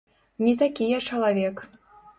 Не такі я чалавек.